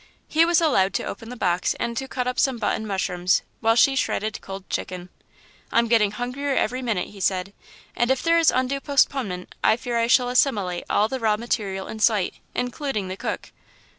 He was allowed to open the box and to cut up some button mushrooms, while she shredded cold chicken. "I'm getting hungry every minute," he said, "and if there is undue postponement, I fear I shall assimilate all the raw material in sight including the cook."